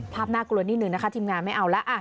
น่ากลัวนิดนึงนะคะทีมงานไม่เอาแล้ว